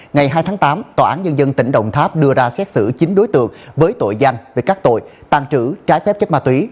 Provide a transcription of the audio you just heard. ngày hai tháng tám tòa án nhân dân tỉnh đồng tháp đưa ra xét xử chín đối tượng với tội danh về các tội tàng trữ trái phép chất ma túy